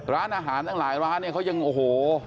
ร้านอาหารตั้งหลายร้านเนี่ยเขายังโอ้โห